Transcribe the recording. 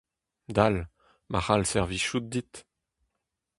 Dal, ma c'hall servijout dit.